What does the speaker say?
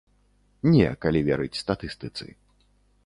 Не, калі верыць статыстыцы.